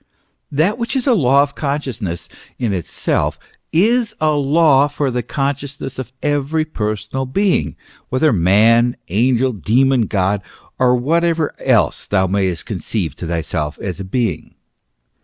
That which is a law of consciousness in itself, is a law for the consciousness of every personal being, whether man, angel, demon, God, or whatever else thou mayst conceive to thyself as a being.